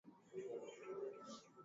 Maneno machache hayaruhusiwi